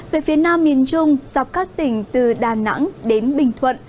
về phía nam miền trung dọc các tỉnh từ đà nẵng đến bình thuận